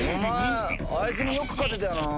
お前あいつによく勝てたよな。